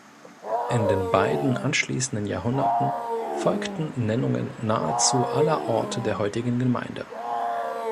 In den beiden anschließenden Jahrhunderten folgten Nennungen nahezu aller Orte der heutigen Gemeinde.